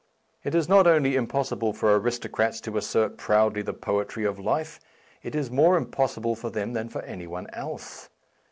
It is not only impossible for aristocrats to assert proudly the poetry of life ; it is more impossible for them than for any one else.